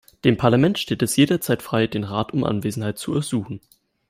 Dem Parlament steht es jederzeit frei, den Rat um Anwesenheit zu ersuchen.